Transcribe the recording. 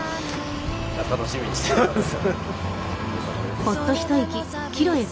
楽しみにしています。